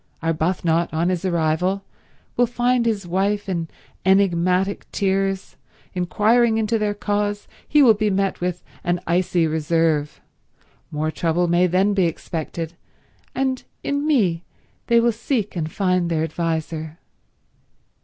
Arbuthnot, on his arrival will find his wife in enigmatic tears. Inquiring into their cause, he will be met with an icy reserve. More trouble may then be expected, and in me they will seek and find their adviser.